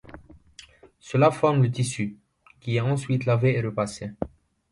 Cela forme le tissu, qui est ensuite lavé et repassé.